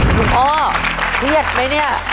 คุณพ่อเครียดไหมเนี่ย